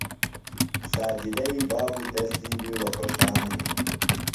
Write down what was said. ساجدئی بابوۡ تس دی بِیڈوۡ خوشان ہِنوۡ۔